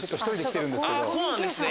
そうなんですね。